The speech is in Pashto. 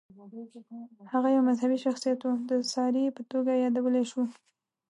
هغه یو مذهبي شخصیت و، د ساري په توګه یادولی شو.